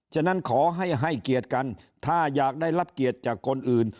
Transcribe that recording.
ฉะนั้นขอให้ให้เกียรติกันถ้าอยากได้รับเกียรติจากคนอื่น